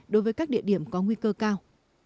đối với các địa điểm có nguy cơ cao